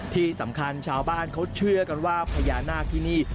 ที่สำคัญชาวบ้านเขาเชื่อกันว่าพญานาคที่นี่